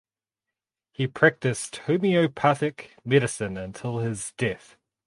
He practiced homeopathic medicine until his death.